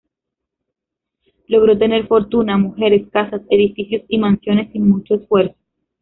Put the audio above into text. Logró tener fortuna, mujeres, casas, edificios y mansiones sin mucho esfuerzo.